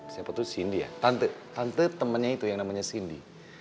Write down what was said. siapa tuh cindy ya tante tante temennya itu yang namanya cindy